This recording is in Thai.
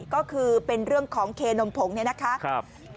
ก็คือเป็นเรื่องของเคนมผงเนี่ยนะคะ